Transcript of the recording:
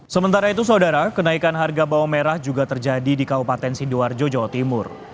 sementara itu saudara kenaikan harga bawang merah juga terjadi di kabupaten sidoarjo jawa timur